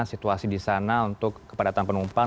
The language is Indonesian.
situasi di sana untuk kepadatan penumpang